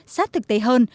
xác thực tế hơn